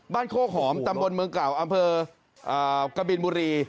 โคกหอมตำบลเมืองเก่าอำเภอกบินบุรี